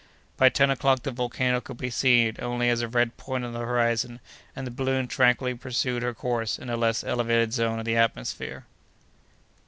By ten o'clock the volcano could be seen only as a red point on the horizon, and the balloon tranquilly pursued her course in a less elevated zone of the atmosphere.